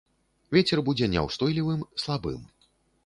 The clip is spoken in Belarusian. Вецер будзе няўстойлівым слабым.